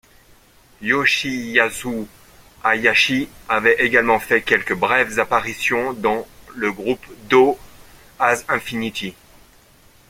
Yoshiyasu Hayashi avait également fait quelques brèves apparitions dans le groupe Do As Infinity.